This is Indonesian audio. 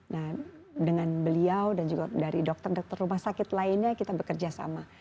nah dengan beliau dan juga dari dokter dokter rumah sakit lainnya kita bekerja sama